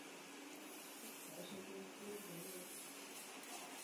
Později pracovala jako televizní moderátorka.